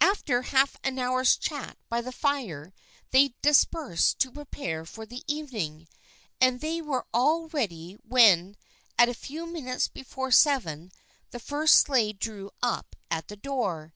After half an hour's chat by the fire they dis persed to prepare for the evening, and they were all ready when at a few minutes before seven the first sleigh drew up at the door.